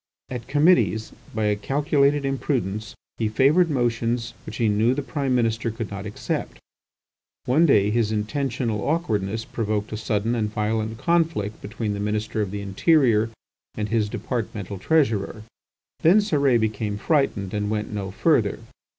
At committees, by a calculated imprudence, he favoured motions which he knew the Prime Minister could not accept. One day his intentional awkwardness provoked a sudden and violent conflict between the Minister of the Interior, and his departmental Treasurer. Then Cérès became frightened and went no further.